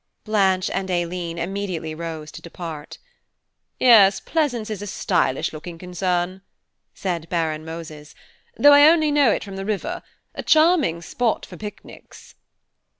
Blanche and Aileen immediately rose to depart. "Yes, Pleasance is a stylish looking concern," said Baron Moses, "though I only know it from the river. A charming spot for picnics."